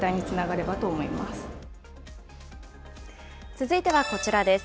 続いてはこちらです。